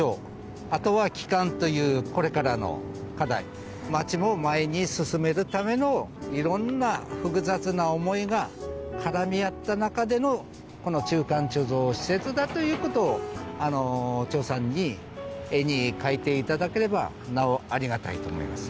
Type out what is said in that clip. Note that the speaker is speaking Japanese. あとは帰還というこれからの課題町も前に進めるための色んな複雑な思いが絡み合った中でのこの中間貯蔵施設だということをあのさんに絵に描いていただければなおありがたいと思います